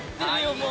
もう。